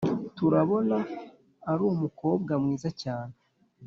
turabona arumukobwa mwiza cyane